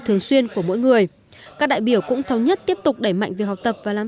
thường xuyên của mỗi người các đại biểu cũng thống nhất tiếp tục đẩy mạnh việc học tập và làm